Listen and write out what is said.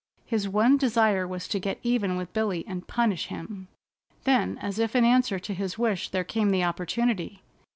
His one desire was to get even with Billy, and punish him. Then as if in answer to his wish there came the opportunity.